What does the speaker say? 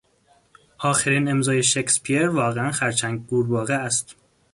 آخرین امضای شکسپیر واقعا خرچنگ قورباغه است.